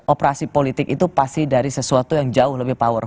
operasi politik itu pasti dari sesuatu yang jauh lebih power